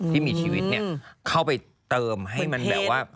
ที่มีชีวิตเนี่ยเข้าไปเติมให้มันแบบว่า